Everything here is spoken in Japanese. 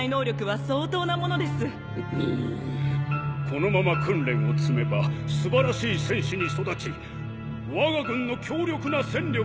このまま訓練を積めば素晴らしい戦士に育ちわが軍の強力な戦力に。